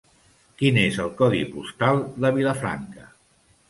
Quin és el codi postal de Vilafranca?